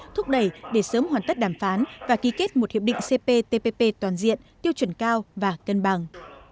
thúc đẩy để sớm hoàn tất đàm phán và ký kết một hiệp định cptpp toàn diện tiêu chuẩn cao và cân bằng